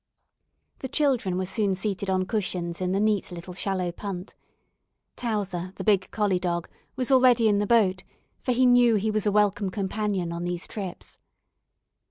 The children were soon seated on cushions in the neat little shallow punt. Towser, the big collie dog, was already in the boat, for he knew he was a welcome companion on these trips.